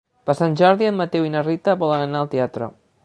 Per Sant Jordi en Mateu i na Rita volen anar al teatre.